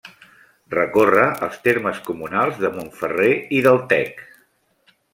Recorre els termes comunals de Montferrer i del Tec.